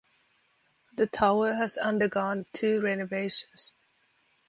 The tower has undergone two renovations.